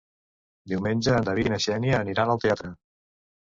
Diumenge en David i na Xènia aniran al teatre.